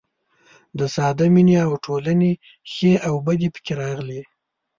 د ساده مینې او ټولنې ښې او بدې پکې راغلي.